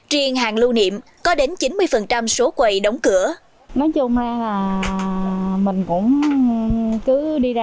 riêng hàng lưu niệm có đến chín mươi số quầy đóng cửa